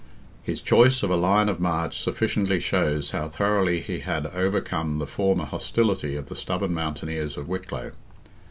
His choice of a line of march sufficiently shows how thoroughly he had overcome the former hostility of the stubborn mountaineers of Wicklow.